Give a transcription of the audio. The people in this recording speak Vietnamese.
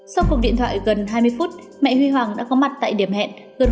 sau cuộc điện thoại gần hai mươi phút mẹ huy hoàng đã có mặt tại điểm hẹn